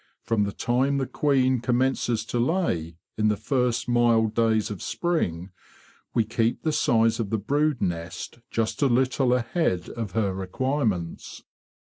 From the time the queen com tuences to lay, in the first mild days of spring, we keep the size of the brood nest just a little ahead of her requirements.